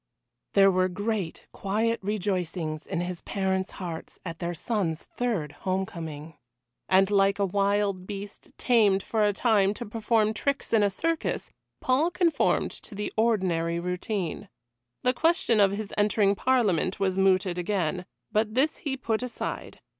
There were great quiet rejoicings in his parents' hearts at their son's third homecoming. And like a wild beast tamed for a time to perform tricks in a circus, Paul conformed to the ordinary routine. The question of his entering Parliament was mooted again, but this he put aside.